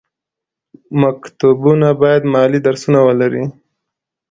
مکتبونه باید مالي درسونه ولري.